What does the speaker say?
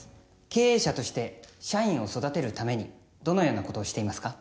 経営者として社員を育てるためにどのようなことをしていますか？